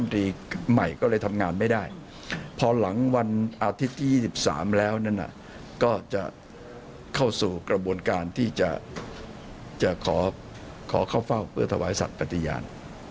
ถ้าอย่างนั้นก็คือชัดเจนแล้วว่าตรงนี้การประชุมอาเซียน